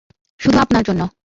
শুধু আপনার জন্য।